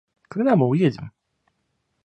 Когда мы уедем?